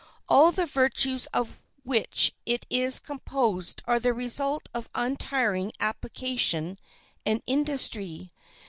All the virtues of which it is composed are the result of untiring application and industry.